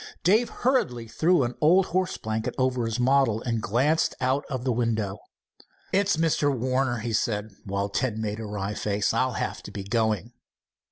Dave hurriedly threw an old horse blanket over his model and glanced out of the window. "It's Mr. Warner," he said, while Ned made a wry face. "I'll have to be going."